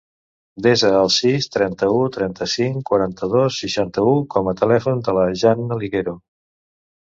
Desa el sis, trenta-u, trenta-cinc, quaranta-dos, seixanta-u com a telèfon de la Janna Ligero.